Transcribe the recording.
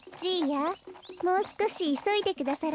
もうすこしいそいでくださらない？